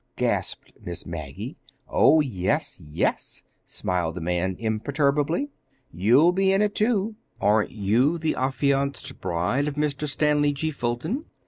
gasped Miss Maggie. "Oh, yes, yes," smiled the man imperturbably. "You'll be in it, too. Aren't you the affianced bride of Mr. Stanley G. Fulton?